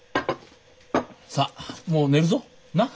さあもう寝るぞなっ？